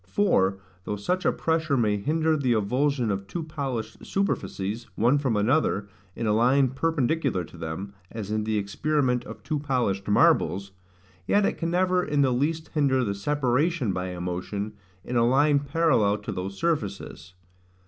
For, though such a pressure may hinder the avulsion of two polished superficies, one from another, in a line perpendicular to them, as in the experiment of two polished marbles; yet it can never in the least hinder the separation by a motion, in a line parallel to those surfaces.